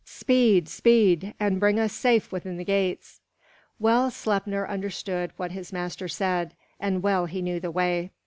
Speed, speed, and bring us safe within the gates!" Well Sleipnir understood what his master said, and well he knew the way.